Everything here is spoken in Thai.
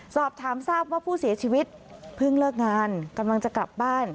สอบถามทราบว่าผู้เสียชีวิตเพิ่งเลิกงานกำลังจะกลับบ้าน